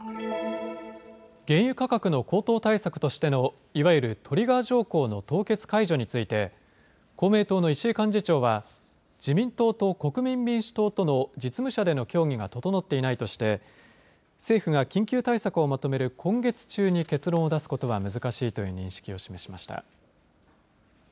原油価格の高騰対策としてのいわゆるトリガー条項の凍結解除について公明党の石井幹事長は自民党と国民民主党との実務者での協議が整っていないとして政府が緊急対策をまとめる今月中に結論を出すことは難しいという認識を示しました。